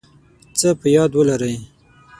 څه په یاد ولرئ